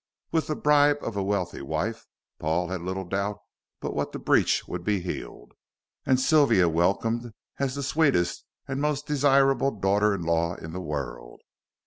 With the bribe of a wealthy wife, Paul had little doubt but what the breach would be healed, and Sylvia welcomed as the sweetest and most desirable daughter in law in the world.